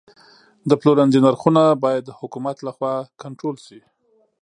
د پلورنځي نرخونه باید د حکومت لخوا کنټرول شي.